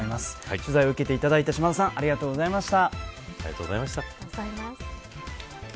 取材を受けてくれた島田さんありがとうございました。